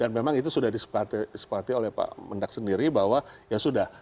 memang itu sudah disepakati oleh pak mendak sendiri bahwa ya sudah